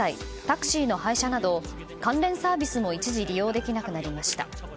タクシーの配車など関連サービスも一時利用できなくなりました。